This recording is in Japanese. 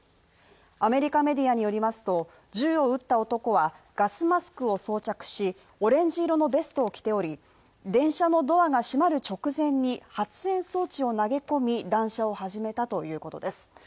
アメリカメディアによりますと銃を撃った男はガスマスクを装着しオレンジ色のベストを着ており電車のドアが閉まる直前に発煙装置を投げ込み、乱射を始めたということです。